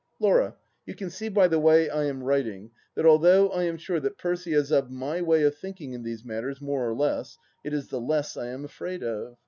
Laura, you can see by the way I am writing, that although I am sure that Percy is of my way of thinking in these matters, more or less — it is the " less " I am afraid of.